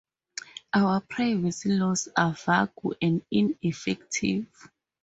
Our privacy laws are vague and ineffective.